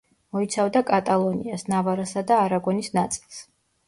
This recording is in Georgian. მოიცავდა კატალონიას, ნავარასა და არაგონის ნაწილს.